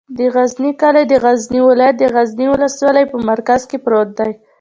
د غزنی کلی د غزنی ولایت، غزنی ولسوالي په مرکز کې پروت دی.